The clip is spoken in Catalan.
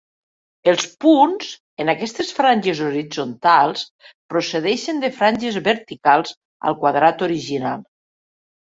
Els punts en aquestes franges horitzontals procedeixen de franges verticals al quadrat original.